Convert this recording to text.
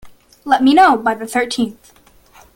Let me know by the thirteenth.